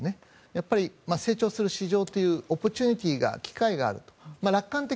やっぱり成長する市場オポチュニティーが機会があると。